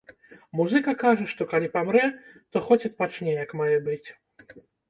Музыка кажа, што калі памрэ, то хоць адпачне як мае быць.